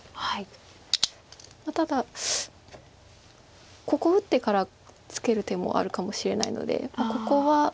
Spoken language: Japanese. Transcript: ただここ打ってからツケる手もあるかもしれないのでここは。